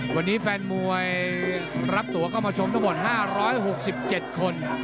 วันนี้แฟนมวยรับตัวเข้ามาชมทั้งหมด๕๖๗คน